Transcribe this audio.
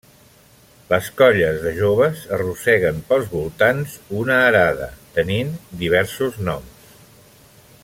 Les colles de joves arrosseguen pels voltants una arada, tenint diversos noms.